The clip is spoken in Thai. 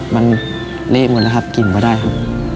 มันเละหมดแล้วครับกลิ่นก็ได้ครับ